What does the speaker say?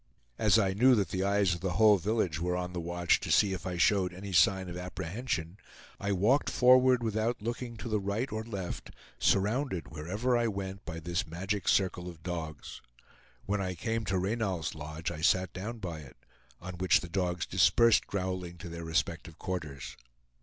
As I knew that the eyes of the whole village were on the watch to see if I showed any sign of apprehension, I walked forward without looking to the right or left, surrounded wherever I went by this magic circle of dogs. When I came to Reynal's lodge I sat down by it, on which the dogs dispersed growling to their respective quarters.